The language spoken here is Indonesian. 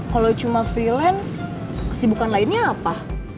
kalau cuma freelance kesibukan lainnya apa